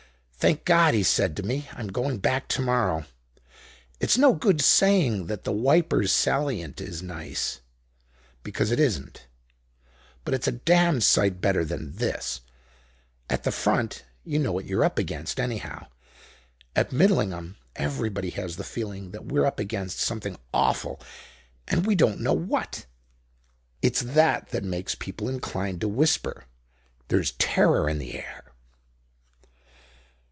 'Thank God,' he said to me, 'I am going back to morrow. It's no good saying that the Wipers salient is nice, because it isn't. But it's a damned sight better than this. At the front you know what you're up against anyhow.' At Midlingham everybody has the feeling that we're up against something awful and we don't know what; it's that that makes people inclined to whisper. There's terror in the air."